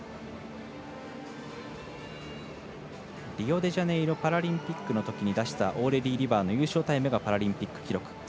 リオデジャネイロパラリンピックのときに出したオーレリー・リバーの優勝タイムがパラリンピック記録。